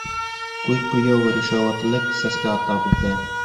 Күҙ буяу, ришүәтлек сәскә ата беҙҙә!